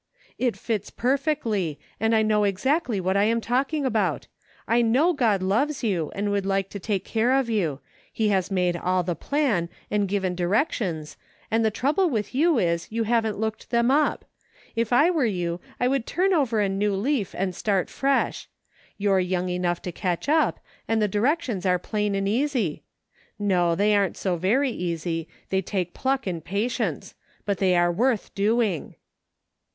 " It fits perfectly, and I know exactly what I am talking about. I know God loves you and would like to take care of you ; he has made all the plan, and given directions, and the trouble with you is you haven't looked them up ; if I were you, I would turn over a new leaf and start fresh. You're young enough to catch up, and the directions are plain and easy ; no, they aren't so very easy, they take pluck and patience ; but they are worth doing."